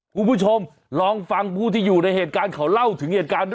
คุณผู้ชมลองฟังผู้ที่อยู่ในเหตุการณ์เขาเล่าถึงเหตุการณ์ด้วย